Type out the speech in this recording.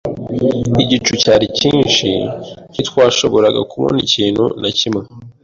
Igicu cyari cyinshi, ntitwashoboraga kubona ikintu na kimwe.